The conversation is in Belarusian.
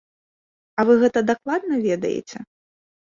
А вы гэта дакладна ведаеце?